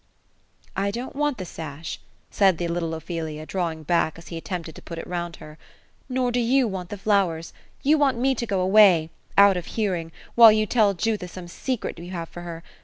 '' I don*t want the sash ;" said the little Ophelia, drawing back, as he attempted to put it round her. ^ Nor do you want the flowers. You want me to go away, — out of hearing, while you tell Jutha some secret you have for her.